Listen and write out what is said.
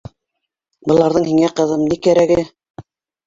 Быларҙың һиңә, ҡыҙым, ни кәрәге?